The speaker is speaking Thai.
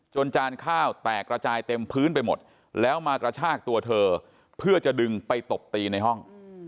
จานข้าวแตกระจายเต็มพื้นไปหมดแล้วมากระชากตัวเธอเพื่อจะดึงไปตบตีในห้อง